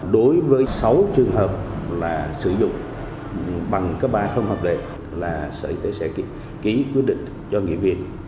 đối với sáu trường hợp là sử dụng bằng cấp ba không hợp lệ là sở y tế sẽ ký quyết định cho nghỉ việc